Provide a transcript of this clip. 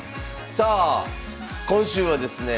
さあ今週はですね